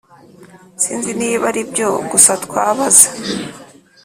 sinzi niba aribyo gusa twabaza